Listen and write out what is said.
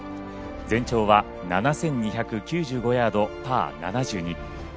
全長は７２９５ヤードパー７２。